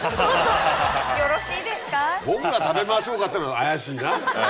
「僕が食べましょうか」っていうのは怪しいな。